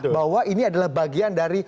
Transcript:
bahwa ini adalah bagian dari